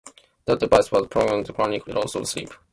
That device was prolonged, chronic loss of sleep.